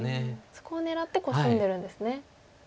そこを狙ってコスんでるんですね。